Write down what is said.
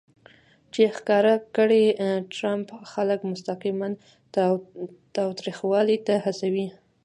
چې ښکاره کړي ټرمپ خلک مستقیماً تاوتریخوالي ته هڅوي